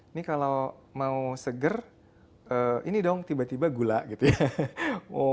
ini kalau mau seger ini dong tiba tiba gula gitu ya